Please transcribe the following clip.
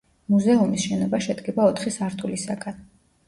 მუზეუმის შენობა შედგება ოთხი სართულისაგან.